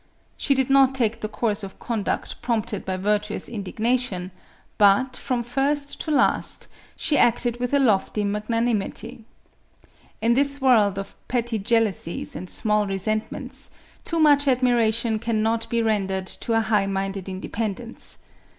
She did not take the course of conduct prompted by virtuous indignation, but, from first to last, she acted with a 212 MARIA THERESA. lofty magnanimity. In this world of petty jealousies and small resentments, too much admiration cannot be rendered to a high minded independence.